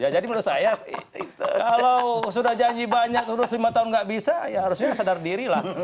jadi menurut saya kalau sudah janji banyak terus lima tahun tidak bisa ya harusnya sadar diri lah